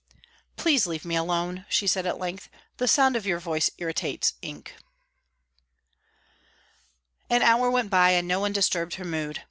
"Please leave me alone," she said at length. "The sound of your voice irritates me." An hour went by, and no one disturbed her mood.